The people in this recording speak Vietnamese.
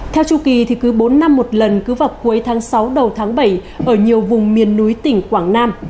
theo chu kỳ thì cứ bốn năm một lần cứ vào cuối tháng sáu đầu tháng bảy ở nhiều vùng miền núi tỉnh quảng nam